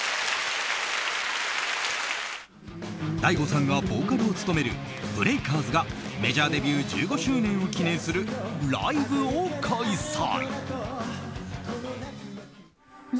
ＤＡＩＧＯさんがボーカルを務めるＢＲＥＡＫＥＲＺがメジャーデビュー１５周年を記念するライブを開催。